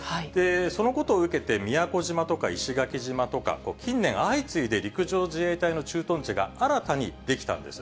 そのことを受けて宮古島とか石垣島とか、近年、相次いで陸上自衛隊の駐屯地が新たに出来たんです。